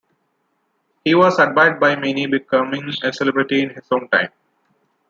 He was admired by many becoming a celebrity in his own time.